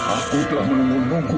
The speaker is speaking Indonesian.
aku telah menunggu